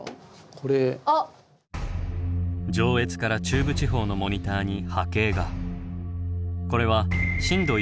上越から中部地方のモニターに波形が。